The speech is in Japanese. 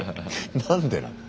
何でなの？